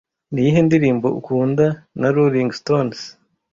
Niyihe ndirimbo ukunda na Rolling Stones?